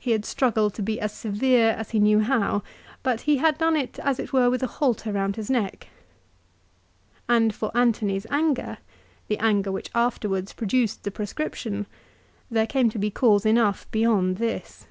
He had struggled to be as severe as he knew how, but had done it as it were with a halter round his neck. And for Antony's anger, the anger which afterwards pro duced the proscription, there came to be cause enough be yond this.